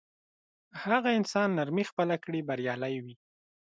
هغه انسان نرمي خپله کړي بریالی وي.